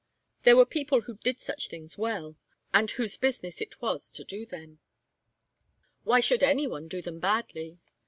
There were people who did such things well, and whose business it was to do them. Why should any one do them badly?